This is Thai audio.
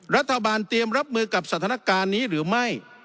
รัฐบาลเตรียมรับมือกับสถานการณ์นี้หรือไม่